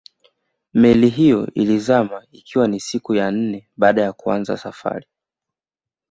Meli hiyo ilizama ikiwa ni siku ya nne baada ya kuanza safari yake